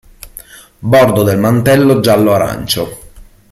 Bordo del mantello giallo-arancio.